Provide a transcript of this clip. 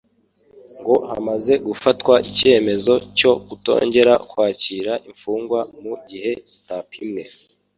ngo hamaze gufatwa icyemezo cyo kutongera kwakira imfungwa mu gihe zidapimwe